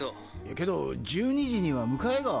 けど１２時には迎えが。